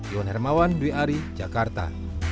iwan hermawan dwi ari jakarta